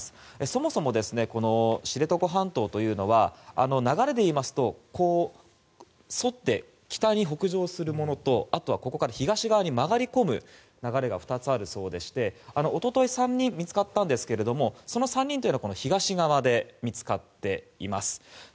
そもそも知床半島というのは流れでいいますと沿って北に北上するものとあとはここから東側に曲がり込む流れが２つあるそうでして一昨日、３人見つかったんですけれどもその３人というのが東側で見つかっています。